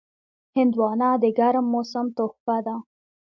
هندوانه د ګرم موسم تحفه ده.